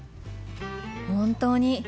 本当に。